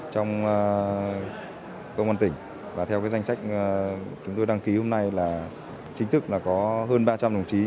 trong công an tỉnh và theo danh sách chúng tôi đăng ký hôm nay là chính thức là có hơn ba trăm linh đồng chí